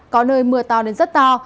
có nơi mưa to đến rất to